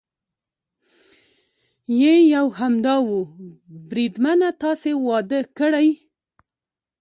یې یو همدا و، بریدمنه تاسې واده کړی؟